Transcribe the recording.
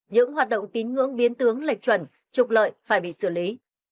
những hoạt động tín ngưỡng biến tướng lệch chuẩn trục lợi phải bị xử lý